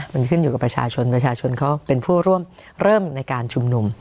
มันขึ้นอยู่กับประชาชนประชาชนเขาเป็นผู้ร่วมเริ่มในการชุมนุม